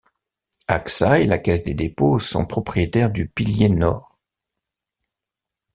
Axa et la Caisse des dépôts sont propriétaires du pilier nord.